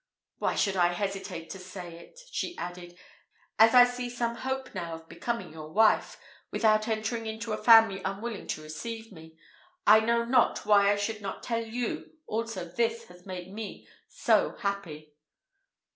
"Why should I hesitate to say it?" she added, "as I see some hope now of becoming your wife, without entering into a family unwilling to receive me, I know not why I should not tell you also this that has made me so happy."